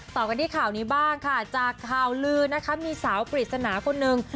ต่อกันที่ข่าวนี้บ้างค่ะจากข่าวลือนะคะมีสาวปริศนาคนนึง